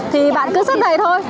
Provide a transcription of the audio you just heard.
thì bạn cứ xếp đầy thôi